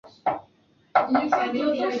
沙尔梅人口变化图示